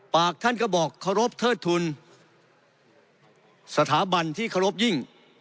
ปากท่านก็บอกขอรบเทิดทุนสถาบันที่ขอรบยิ่ง